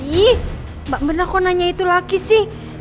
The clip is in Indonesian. ih mbak mirna kok nanya itu lagi sih